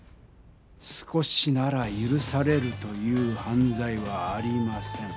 少しならゆるされるというはんざいはありません。